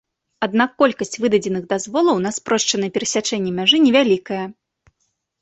Аднак колькасць выдадзеных дазволаў на спрошчанае перасячэнне мяжы невялікая.